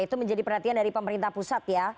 itu menjadi perhatian dari pemerintah pusat ya